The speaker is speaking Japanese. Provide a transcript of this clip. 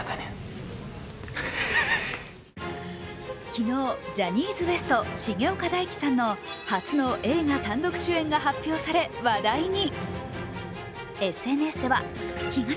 昨日、ジャニーズＷＥＳＴ、重岡大毅さんの初の映画単独主演が発表され話題に。